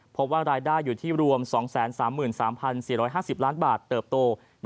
พบว่ารายได้อยู่ที่รวม๒๓๓๔๕๐ล้านบาทเติบโต